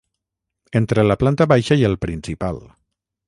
Entre la planta baixa i el principal.